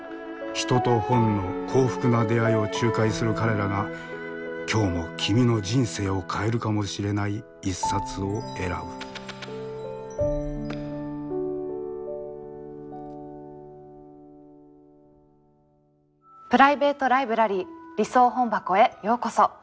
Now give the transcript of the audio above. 人と本の幸福な出会いを仲介する彼らが今日も君の人生を変えるかもしれない一冊を選ぶプライベート・ライブラリー理想本箱へようこそ。